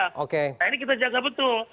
nah ini kita jaga betul